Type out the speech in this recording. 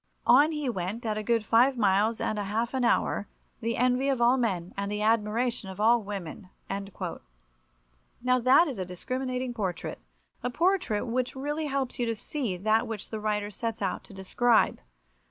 On he went at a good five miles and a half an hour, the envy of all men and the admiration of all women." Now, that is a discriminating portrait—a portrait which really helps you to see that which the writer sets out to describe.